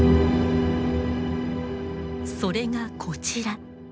それがこちら。